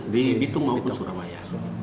di bitung maupun surabaya